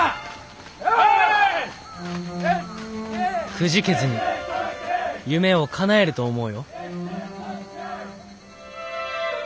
「くじけずに夢をかなえると思うよ」。